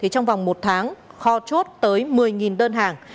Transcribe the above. trong vòng một tháng kho chốt tới một mươi đơn hàng